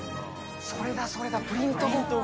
それだ、それだ、プリントゴッコ。